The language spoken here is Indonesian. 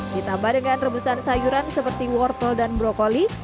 ditambah dengan rebusan sayuran seperti wortel dan brokoli